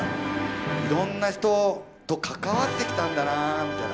いろんな人と関わってきたんだなぁみたいな。